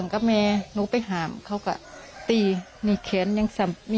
ถ้าไม่ว่าเมาส์ก็ไม่เป็นอย่าง